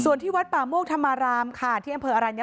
ส่วนที่วัดปาโมกธรรมารามค่ะที่อัมเภออะไรเนี้ย